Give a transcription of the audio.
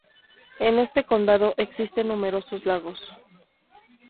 En este condado existen numerosos lagos.